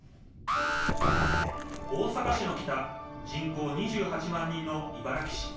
大阪市の北人口２８万人の茨木市